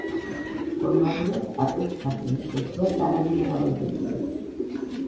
ფორმალურად პაპებს სახელის შეცვლას არავინ არ ავალდებულებს.